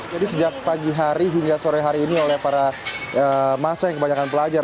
jadi sejak pagi hari hingga sore hari ini oleh para masa yang kebanyakan pelajar